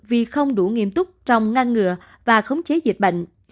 vì không đủ nghiêm túc trong ngăn ngừa và khống chế dịch bệnh